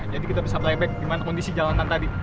jadi kita bisa playback gimana kondisi jalanan tadi